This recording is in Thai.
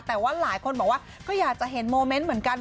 แต่ว่าหลายคนบอกว่าก็อยากจะเห็นโมเมนต์เหมือนกัน